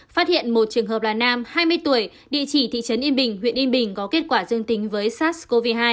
phát hiện một trường hợp là nam hai mươi tuổi địa chỉ thị trấn yên bình huyện yên bình có kết quả dương tính với sars cov hai